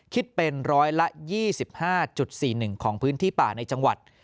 คิดเป็นร้อยละ๒๕๔๑ของพื้นที่ป่าในจังหวัด